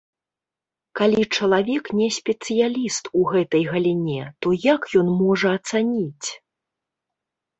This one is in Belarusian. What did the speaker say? Калі чалавек не спецыяліст у гэтай галіне, то як ён можа ацаніць?